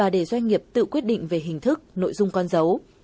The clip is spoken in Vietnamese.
để doanh nghiệp tự quyết định về hình thức nội dung con dấu